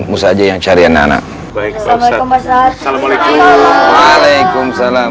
musa aja yang cari anak anak baik burang fikri wa salaamu'alaikum waalaikumsalam